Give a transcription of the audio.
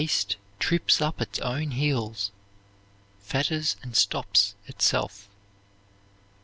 Haste trips up its own heels, fetters and stops itself.